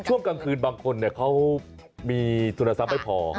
ช่วงกลางคืนบางคนเขามีทุนทรัพย์ไม่พอ